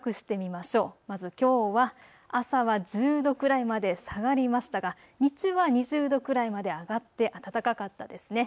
まずきょうは朝は１０度くらいまで下がりましたが日中は２０度くらいまで上がって暖かかったですね。